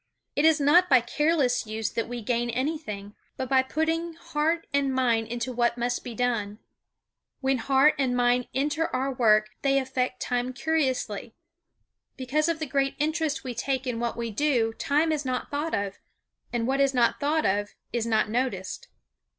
It is not by careless use that we gain anything, but by putting heart and mind into what must be done. When heart and mind enter our work they affect time curiously; because of the great interest we take in what we do time is not thought of; and what is not thought of, is not noticed.